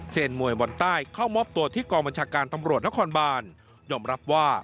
เซนมวยบรรไต้เข้ามอบตัวที่กองบัญชาการตำรวจและคอนบารย่อมรับว่า